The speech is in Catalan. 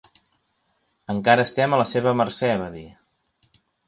"Encara estem a la seva mercè," va dir.